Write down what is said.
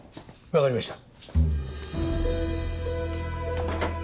わかりました。